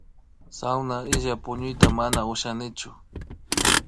Sawna illak puñuyta mana ushanichu